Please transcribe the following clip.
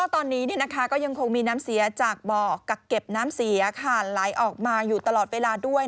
ตอนนี้ก็ยังมีน้ำเสียจากเก็บน้ำเสียไหลออกมาอยู่ตลอดเวลา